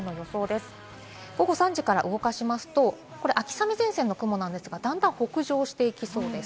午後３時から動かしますと、秋雨前線の雲なんですが、段々北上していきそうです。